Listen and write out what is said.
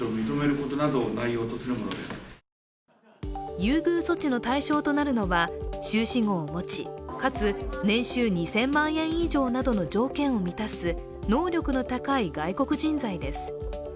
優遇措置の対象となるのは、修士号を持ち、かつ年収２０００万円以上などの条件を満たす能力の高い外国人材です。